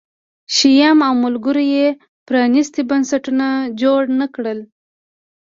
شیام او ملګرو یې پرانیستي بنسټونه جوړ نه کړل